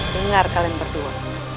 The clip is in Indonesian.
dengar kalian berdua